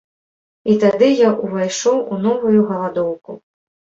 І тады я ўвайшоў у новую галадоўку.